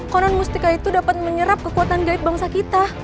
konon mustika itu dapat menyerap kekuatan gaib bangsa kita